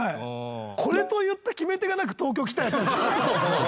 これと言って決め手がなく東京来たやつです。